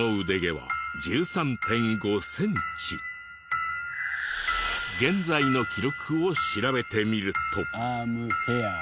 この現在の記録を調べてみると。